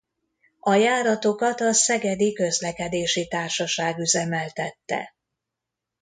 A járatokat a Szegedi Közlekedési Társaság üzemeltette.